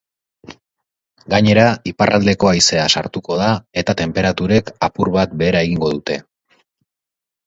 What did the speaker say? Gainera, iparraldeko haizea sartuko da eta tenperaturek apur bat behera egingo dute.